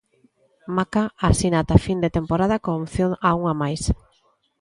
Maca asina ata fin de temporada con opción a unha máis.